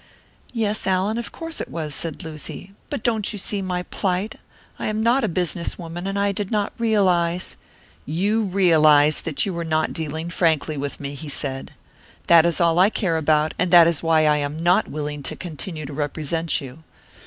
"Yes, Allan, of course it was he," said Lucy. "But don't you see my plight? I am not a business woman, and I did not realise " "You realised that you were not dealing frankly with me," he said. "That is all that I care about, and that is why I am not willing to continue to represent you.